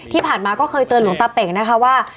ที่ผ่านมาก็เคยเตือนหลวงตาเป่งนะคะว่า